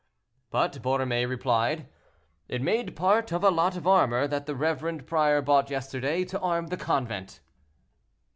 But Borromée replied, "It made part of a lot of armor that the reverend prior bought yesterday to arm the convent."